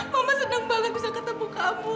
mama senang banget bisa ketemu kamu